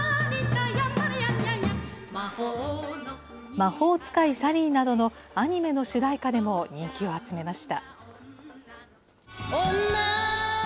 魔法使いサリーなどのアニメの主題歌でも人気を集めました。